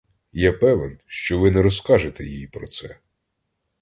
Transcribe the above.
Я певен, що ви не розкажете їй про це.